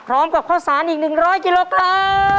พร้อมกับข้อสารอีก๑๐๐กิโลกรัม